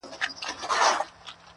د طوطي بڼکي تویي سوې ګنجی سو-